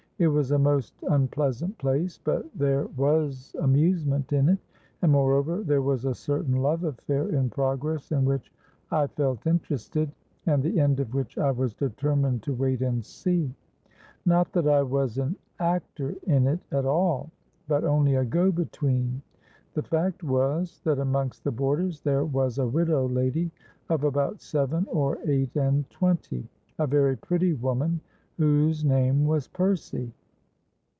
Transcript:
It was a most unpleasant place; but there was amusement in it; and moreover there was a certain love affair in progress, in which I felt interested, and the end of which I was determined to wait and see. Not that I was an actor in it at all; but only a go between. The fact was, that amongst the boarders there was a widow lady, of about seven or eight and twenty—a very pretty woman, whose name was Percy.